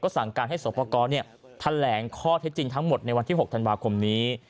สั่งการให้สอบประกอบแถลงข้อเท็จจริงทั้งหมดในวันที่๖ธันวาคมนี้